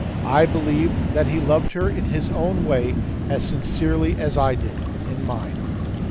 I believed that he loved her in his own way as sincerely as I did in mine.